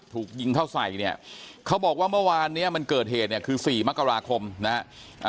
ถูกยิงเข้าใส่เนี่ยเขาบอกว่าเมื่อวานเนี้ยมันเกิดเหตุเนี่ยคือสี่มกราคมนะฮะ